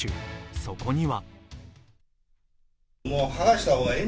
そこには。